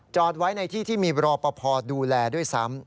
ไว้ในที่ที่มีรอปภดูแลด้วยซ้ำ